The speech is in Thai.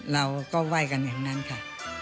เราก็ไหว้กันอย่างนั้นค่ะ